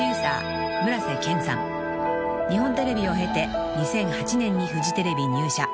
［日本テレビを経て２００８年にフジテレビ入社］